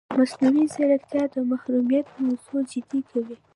مصنوعي ځیرکتیا د محرمیت موضوع جدي کوي.